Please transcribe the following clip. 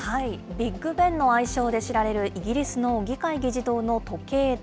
ビッグベンの愛称で知られるイギリスの議会議事堂の時計台。